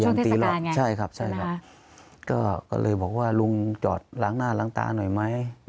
ตีหรอกใช่ครับใช่ครับก็เลยบอกว่าลุงจอดล้างหน้าล้างตาหน่อยไหม